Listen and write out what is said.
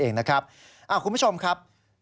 โยต้องกล้าภาษณ์อยากให้คุณผู้ชมได้ฟัง